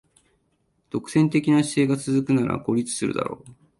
独占的な姿勢が続くなら孤立するだろう